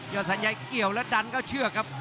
ยอดแซทไยเกี่ยวและดันก็เชื่อครับ